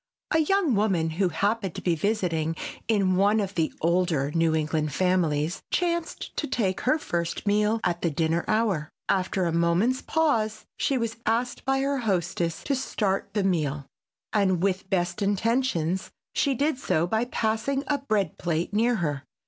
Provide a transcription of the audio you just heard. A young woman who happened to be visiting in one of the older New England families chanced to take her first meal at the dinner hour. After a moment's pause she was asked by her hostess to start the meal, and with best intentions she did so by passing a bread plate near her.